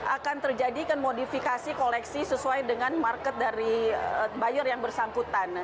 akan terjadi kan modifikasi koleksi sesuai dengan market dari buyer yang bersangkutan